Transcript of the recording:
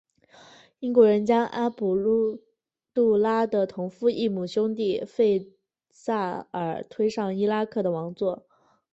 英国人将阿卜杜拉的同父异母兄弟费萨尔推上伊拉克的王座。